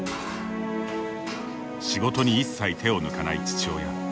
仕事に一切、手を抜かない父親。